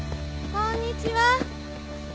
こんにちは。